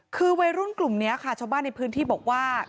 คือวัยรุ่นกลุ่มนี้ค่ะชาวบ้านในพื้นที่บอกว่า